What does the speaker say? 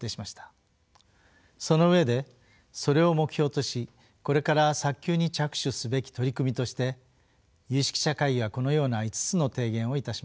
その上でそれを目標としこれから早急に着手すべき取り組みとして有識者会議はこのような５つの提言をいたしました。